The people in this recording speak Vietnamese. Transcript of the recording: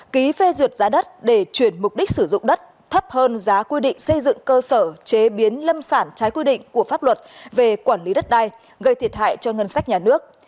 ký phê duyệt giá đất để chuyển mục đích sử dụng đất thấp hơn giá quy định xây dựng cơ sở chế biến lâm sản trái quy định của pháp luật về quản lý đất đai gây thiệt hại cho ngân sách nhà nước